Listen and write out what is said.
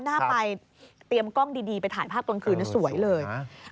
หน้าไปเตรียมกล้องดีไปถ่ายภาพกลางคืนนะสวยเลย